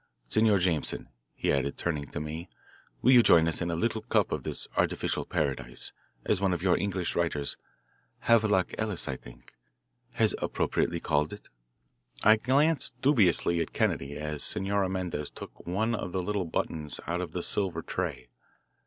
Senor Jameson," he added, turning to me, "will you join us in a little cup of this artificial paradise, as one of your English writers Havelock Ellis, I think has appropriately called it?" I glanced dubiously at Kennedy as Senora Mendez took one of the little buttons out of the silver tray.